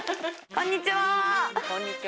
こんにちは。